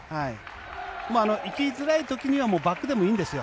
行きづらい時にはもうバックでもいいんですよ。